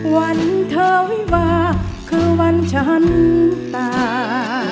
วันเธอวิวาคือวันฉันตา